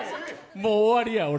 もう終わりや、俺。